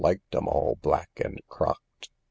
liked 'em all black and crocked ?